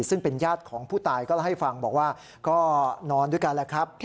ซึ่งเป็นญาติของผู้ตายก็เล่าให้ฟังบอกว่าก็นอนด้วยกันแหละครับ